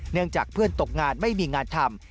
จากเพื่อนตกงานไม่มีงานทำ